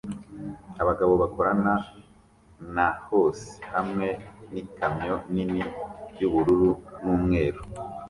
Abagabo bakorana na hose hamwe n'ikamyo nini y'ubururu n'umweru